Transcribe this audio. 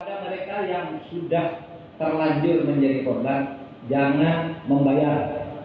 pada mereka yang sudah terlanjur menjadi korban jangan membayar